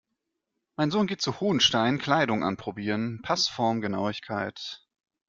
Mein Sohn geht zu Hohenstein, Kleidung anprobieren, Passformgenauigkeit.